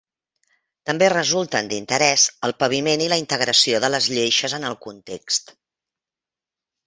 També resulten d'interès el paviment i la integració de les lleixes en el context.